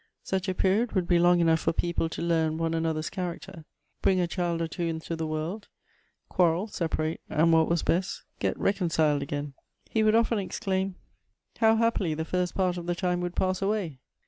Such a period would be long enough for people to leam one another's character, bring a child or two into the world, quarrel, separate, and what was best, get reconciled again. He would often exclaim, ' How happily the first part of the time would pass away